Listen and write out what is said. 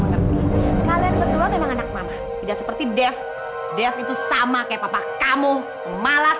mengerti kalian berdua memang anak mama tidak seperti dev dev itu sama kayak papa kamu malas